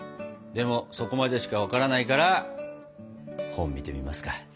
でもそこまでしか分からないから本見てみますか？